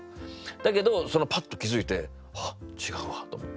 だけどパッと気付いてあ違うわと思って。